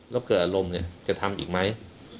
แล้วเกิดอารมณ์เนี่ยจะทำอีกไหม